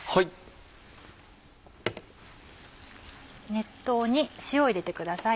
熱湯に塩を入れてください。